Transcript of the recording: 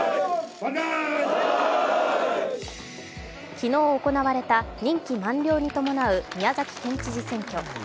昨日行われた任期満了に伴う宮崎県知事選挙。